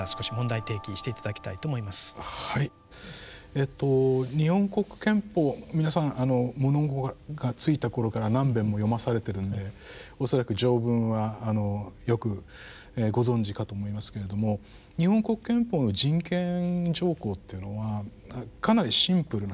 えっと日本国憲法皆さん物心が付いたころから何べんも読まされてるんで恐らく条文はよくご存じかと思いますけれども日本国憲法の人権条項っていうのはかなりシンプルなんですね。